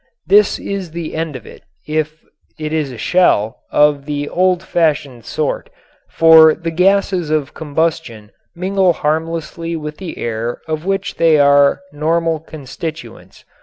This is the end of it if it is a shell of the old fashioned sort, for the gases of combustion mingle harmlessly with the air of which they are normal constituents.